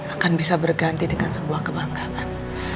akan bisa berganti dengan sebuah kebanggaan